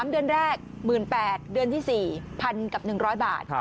๓เดือนแรก๑๘๐๐๐บาทเดือนที่๔๓๐๐๐๐บาท